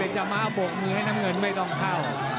เป็นจะมาเอาโบกมือให้น้ำเงินไม่ต้องเข้า